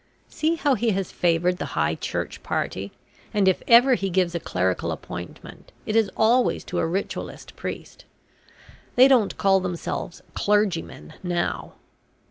See how he has favoured the High Church party, and if ever he gives a clerical appointment it is always to a Ritualist priest. They don't call themselves clergymen now.